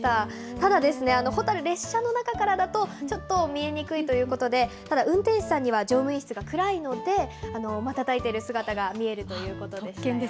ただですね、蛍、列車の中からだとちょっと見えにくいということで、ただ、運転士さんには乗務員室が暗いので、またたいてる姿が見えるということでしたよ。